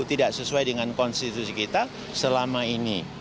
tidak sesuai dengan konstitusi kita selama ini